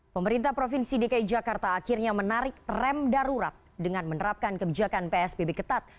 pemerintah provinsi dki jakarta akhirnya menarik rem darurat dengan menerapkan kebijakan psbb ketat